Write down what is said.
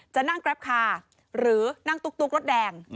จะนั่งแกรปคาร์หรือนั่งตุ๊กรถแดง